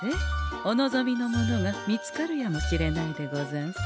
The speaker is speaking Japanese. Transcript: お望みのものが見つかるやもしれないでござんす。